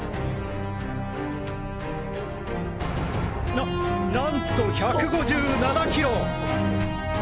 ななんと１５７ｋｍ！